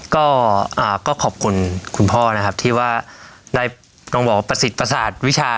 ก็ขอบคุณคุณพ่อนะครับที่ว่าได้ต้องบอกว่าประสิทธิประสาทวิชา